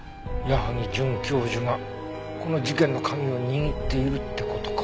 矢萩准教授がこの事件の鍵を握っているって事か。